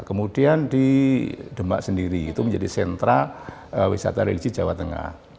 kemudian di demak sendiri itu menjadi sentra wisata religi jawa tengah